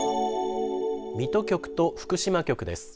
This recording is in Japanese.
水戸局と福島局です。